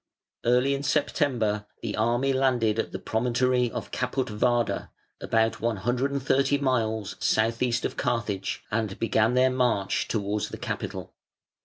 Early in September the army landed at the promontory of Caput vada, about one hundred and thirty miles south east of Carthage, and began their march towards the capital.